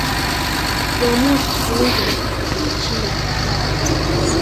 Huamua kukienzi na Kifo kiliwashinda wakaamua wakienzi